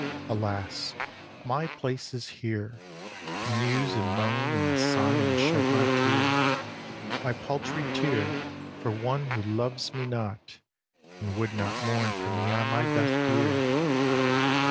Alas! my place is here, To muse and moan and sigh and shed my tear, My paltry tear for one who loves me not, And would not mourn for me on my death bier.